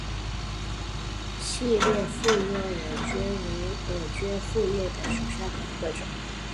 细裂复叶耳蕨为鳞毛蕨科复叶耳蕨属下的一个种。